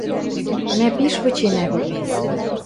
Мӓ пиш выченӓ вет...